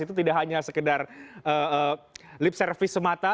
itu tidak hanya sekedar lip service semata